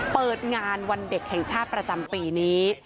เปิดงานวันเด็กแห่งชาติประจำปีนี้